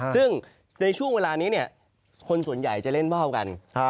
ซึ่งในช่วงเวลานี้คนส่วนใหญ่จะเล่นว่าวกัน